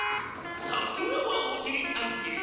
さすがはおしりたんてい！